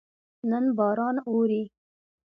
نن باران اوري